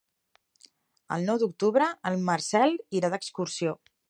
El nou d'octubre en Marcel irà d'excursió.